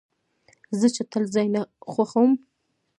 زه چټل ځای نه خوښوم.